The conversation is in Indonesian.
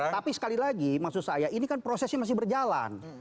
tapi sekali lagi maksud saya ini kan prosesnya masih berjalan